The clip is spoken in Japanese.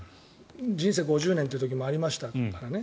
人生５０年という時もありましたからね。